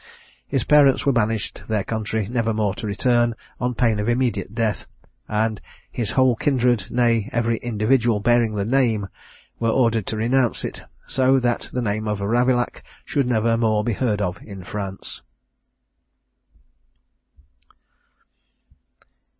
His parents were banished their country, never more to return, on pain of immediate death; and his whole kindred, nay, every individual bearing the name, were ordered to renounce it; so that the name of Ravillac should never more be heard of in France.